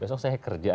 besok saya kerja ya